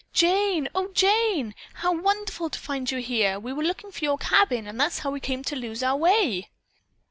"O Jane, Jane! How wonderful to find you here! We were looking for your cabin and that's how we came to lose our way."